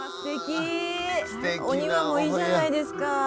お庭もいいじゃないですか。